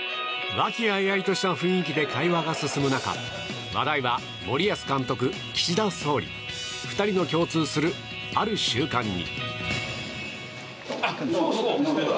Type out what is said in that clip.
和気あいあいとした雰囲気で会話が進む中、話題は森保監督、岸田総理２人の共通する、ある習慣に。